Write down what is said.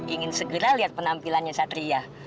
ingin segera lihat penampilannya satria